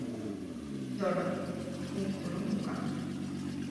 D'hora, un colon local.